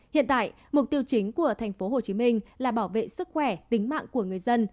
hiện tại mục tiêu chính của tp hcm là bảo vệ sức khỏe tính mạng của người dân